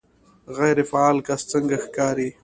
غیر فعال کس څنګه ښکاري